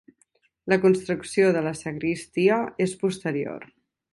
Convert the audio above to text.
La construcció de la sagristia és posterior.